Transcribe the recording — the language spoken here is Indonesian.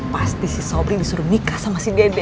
pasti si sopri disuruh nikah sama si dede